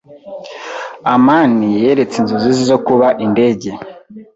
amani yaretse inzozi ze zo kuba indege.